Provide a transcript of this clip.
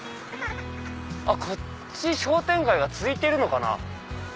こっち商店街が続いてるのかな。